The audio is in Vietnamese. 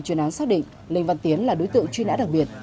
chuyên án xác định linh văn tiến là đối tượng chuyên án đặc biệt